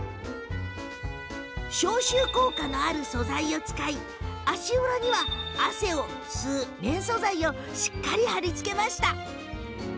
消臭効果のある素材を使って足裏には汗を吸う綿素材をしっかり貼り付けました。